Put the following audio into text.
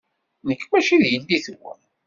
Nekk maci d yelli-twen.